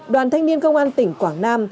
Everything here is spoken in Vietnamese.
đoàn thanh niên công an tỉnh quảng nam